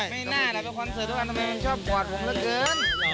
ไม่น่าล่ะไปคอนเซอร์ทุกอันทำไมมันชอบกวดผมเฉลิก